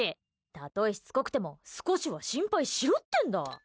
たとえ、しつこくても少しは心配しろってんだ！